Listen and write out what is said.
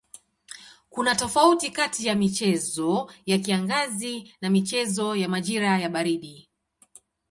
Kuna tofauti kati ya michezo ya kiangazi na michezo ya majira ya baridi.